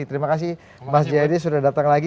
terima kasih mas jayadi sudah datang lagi